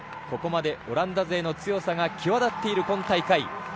ここまでオランダ勢の強さが際立っている今大会。